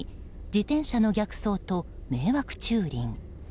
自転車の逆走と迷惑駐輪。